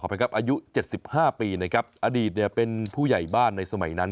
อายุ๗๕ปีอดีตเป็นผู้ใหญ่บ้านในสมัยนั้น